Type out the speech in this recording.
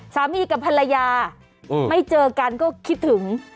สามีกับภรรยาไม่เจอกันก็คิดถึง